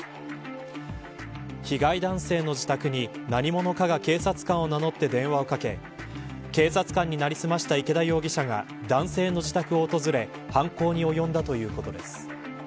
被害男性の自宅に何者かが警察官を名乗って電話をかけ警察官に成り済ました池田容疑者が男性の自宅を訪れ犯行に及んだということです。